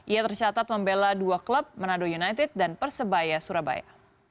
ia tercatat membela dua klub manado united dan persebaya surabaya